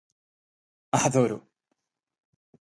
Adoro.